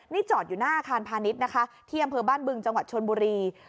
นี่จอดอยู่หน้าอาคารพาณิชย์นะคะที่อำเภอบ้านบึงจังหวัดชนบุรี